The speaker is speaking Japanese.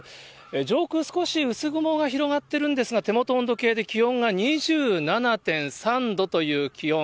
上空少し薄雲が広がってるんですが、手元の温度計で気温が２７．３度という気温。